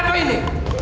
ada apa ini